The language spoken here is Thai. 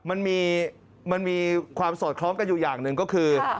มันมีความสอดคล้องกันอยู่อย่างหนึ่งก็คือ